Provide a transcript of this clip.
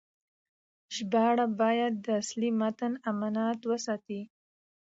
ژباړه باید د اصلي متن امانت وساتي.